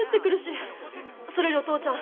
それよりお父ちゃん